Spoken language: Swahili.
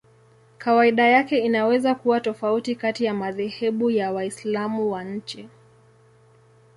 Kawaida yake inaweza kuwa tofauti kati ya madhehebu ya Waislamu na nchi.